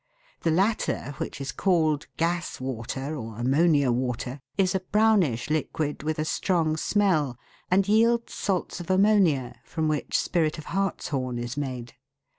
The latter, which is called gas water, or ammonia water, is a brownish liquid, with a strong smell, and yields salts of ammonia, from which spirit of hartshorn is made.